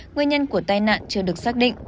nguyên nhân của tai nạn chưa được xác định